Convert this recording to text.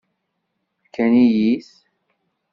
Fkan-iyi-t.